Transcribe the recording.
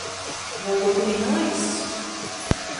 Daugovpilī nalaiss?